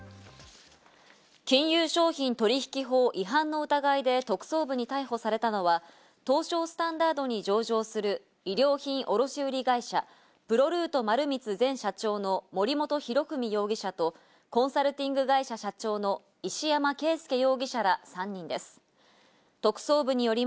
金融商品取引法違反の疑いで特捜部に逮捕されたのは、東証スタンダードに上場する衣料品卸売会社プロルート丸光前社長の森本裕文容疑者と、コンサルティング会社社長の石山最近胃にくるのよ。